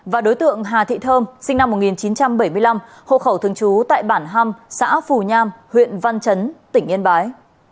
và đối tượng hà thị thơm sinh năm một nghìn chín trăm bảy mươi năm hộ khẩu thường trú tại bản ham xã phù nham huyện văn chấn tỉnh yên bái